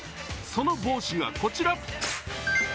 その帽子がこちら。